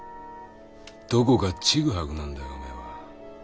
どこかちぐはぐなんだよお前は。